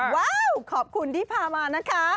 ว้าวขอบคุณที่พามานะคะ